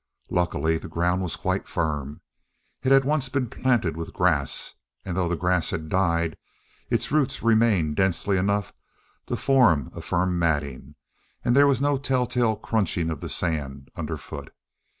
Luckily the ground was quite firm. It had once been planted with grass, and though the grass had died, its roots remained densely enough to form a firm matting, and there was no telltale crunching of the sand underfoot.